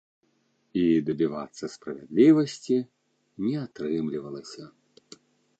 І дабівацца справядлівасці не атрымлівалася.